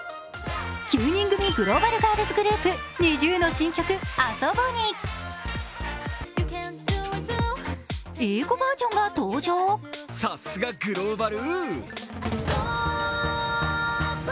９人組グローバルガールズグループ、ＮｉｚｉＵの新曲「ＡＳＯＢＯ」にさっすが、グローバル！